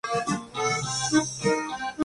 Hoy en día, es simplemente "La Casa de la Ópera".